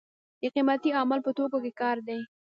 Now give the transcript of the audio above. د قیمتۍ عامل په توکو کې کار دی.